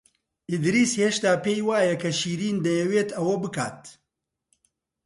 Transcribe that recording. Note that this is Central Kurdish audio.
ئیدریس هێشتا پێی وایە کە شیرین دەیەوێت ئەوە بکات.